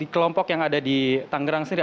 kelompok yang ada di tanggerang sendiri